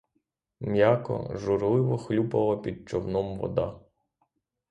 М'яко, журливо хлюпала під човном вода.